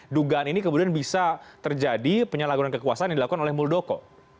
dugaan ini kemudian bisa terjadi penyalahgunaan kekuasaan yang dilakukan oleh muldoko